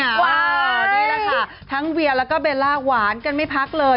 ว้าวนี่แหละค่ะทั้งเวียแล้วก็เบลล่าหวานกันไม่พักเลย